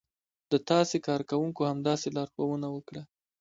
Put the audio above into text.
د تاسې کارکونکو همداسې لارښوونه وکړه.